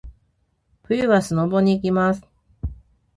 冬はスノボに行きます。